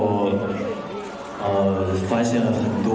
ว่าจะมีอะไรที่จะสนุก